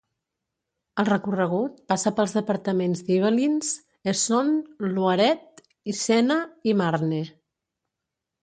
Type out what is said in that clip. El recorregut passa pels departaments d'Yvelines, Essonne, Loiret i Sena i Marne.